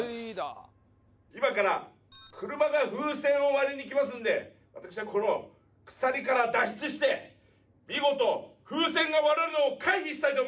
今から車が風船を割りに来ますんで私はこの鎖から脱出して見事風船が割れるのを回避したいと思います！